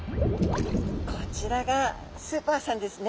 こちらがスーパーさんですね。